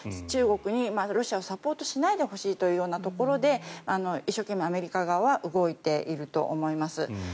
中国にロシアをサポートしないでほしいというところで一生懸命、アメリカ側は動いていると思います。